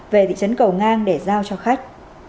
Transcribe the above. về thị trấn cầu ngang để giao cho khách